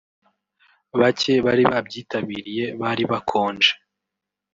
Bake bari babyitabiriye bari bakonje